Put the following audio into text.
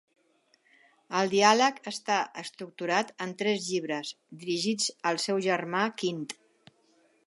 El diàleg està estructurat en tres llibres, dirigits al seu germà Quint.